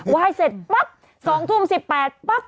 ไหว้เสร็จปั๊ป๒ทุ่ม๑๘บาท